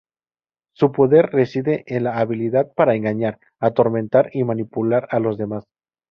Su poder reside en la habilidad para engañar, atormentar y manipular a los demás.